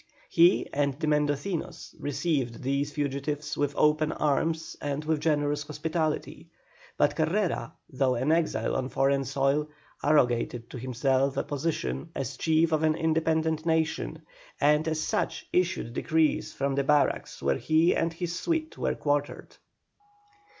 He and the Mendocinos received these fugitives with open arms and with generous hospitality; but Carrera, though an exile on foreign soil, arrogated to himself a position as chief of an independent nation, and as such issued decrees from the barracks where he and his suite were quartered.